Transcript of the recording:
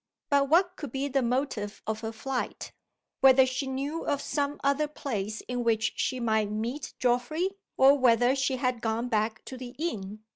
But what could be the motive of her flight? Whether she knew of some other place in which she might meet Geoffrey? or whether she had gone back to the inn?